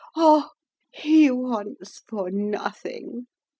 Oh, he wants for nothing!